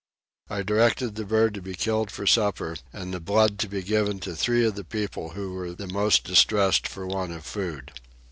I directed the bird to be killed for supper, and the blood to be given to three of the people who were the most distressed for want of food.